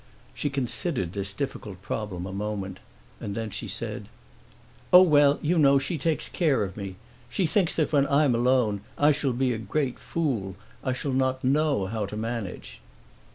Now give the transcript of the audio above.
She considered this difficult problem a moment and then she said, "Oh, well, you know, she takes care of me. She thinks that when I'm alone I shall be a great fool, I shall not know how to manage."